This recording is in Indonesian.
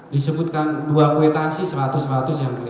disebutkan dua kwetansi seratus seratus ya mulia